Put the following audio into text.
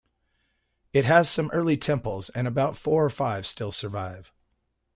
It has some early temples, about four or five still survive.